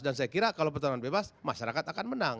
dan saya kira kalau pertarungan bebas masyarakat akan menang